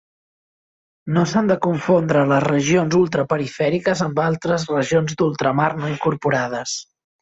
No s'han de confondre les regions ultraperifèriques amb altres regions d'ultramar no incorporades.